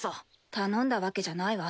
頼んだわけじゃないわ。